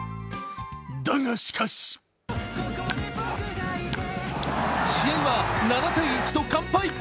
だがしかし、試合は７−１と完敗。